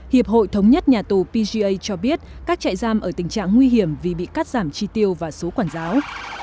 hiệp hội thống nhất nhà tù pca cho biết các trại giam ở tình trạng nguy hiểm vì bị cắt giảm chi tiêu và số quản giáo